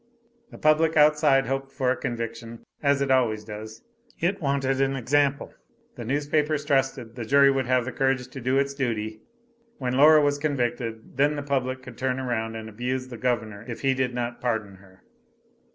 The public outside hoped for a conviction, as it always does; it wanted an example; the newspapers trusted the jury would have the courage to do its duty. When Laura was convicted, then the public would turn around and abuse the governor if he did not pardon her.